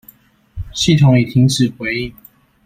系統已停止回應